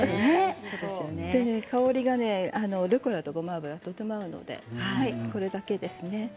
香りがルッコラとごま油はとても合うのでこれだけですね。